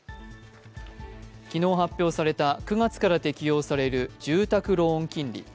昨日発表された９月から適用される住宅ローン金利。